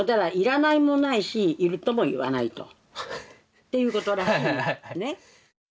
っていうことらしいのね。